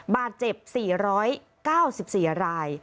บาดเจ็บ๔๙๔ราย